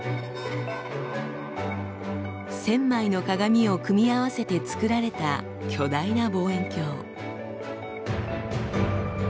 １，０００枚の鏡を組み合わせて造られた巨大な望遠鏡。